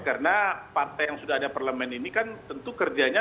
karena partai yang sudah ada parlemen ini kan tentu kerjanya